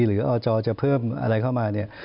หรืออจจะเพิ่มอะไรเข้ามาเนี่ย